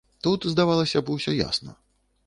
Тут, здавалася б, усё ясна.